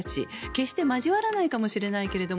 決して交わらないかもしれないけど